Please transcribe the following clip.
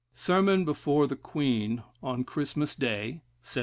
26, Sermon before the Queen on Christmas Day, 1724.